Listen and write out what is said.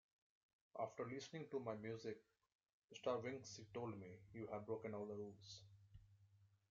After listening to my music Stravinsky told me 'You have broken all the rules'.